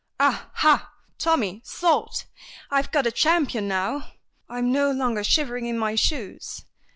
"Ah, ha, Tommy, sold! I've got a champion now. I'm no longer shivering in my shoes.